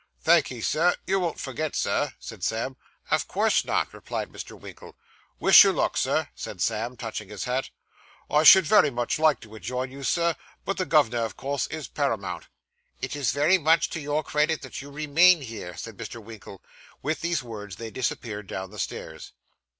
'Thank'ee, sir. You won't forget, sir?' said Sam. 'Of course not,' replied Mr. Winkle. 'Wish you luck, Sir,' said Sam, touching his hat. 'I should very much liked to ha' joined you, Sir; but the gov'nor, o' course, is paramount.' 'It is very much to your credit that you remain here,' said Mr. Winkle. With these words they disappeared down the stairs.